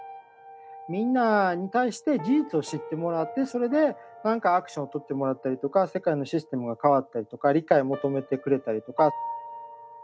みんなに対して事実を知ってもらってそれでなんかアクションをとってもらったりとか世界のシステムが変わったりとか理解を求めてくれたりとか。